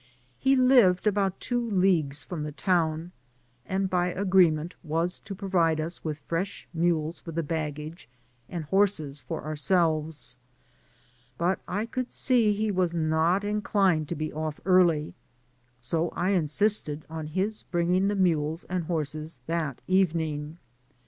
He lived about two leagues from the town, and by agreement was to provide us with fresh mules for the baggage, and horses for our selves; but I could see he was not inclined to be off early, so I insisted on his bringing the mules and horses that evening.